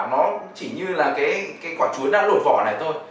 nó chỉ như là cái quả chuối đã đổ vỏ này thôi